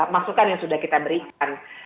masukan yang sudah kita berikan